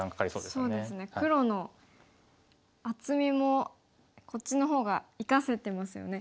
黒の厚みもこっちの方が生かせてますよね。